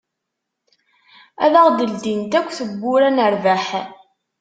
Ad aɣ-d-ldint akk tewwura n rrbeḥ.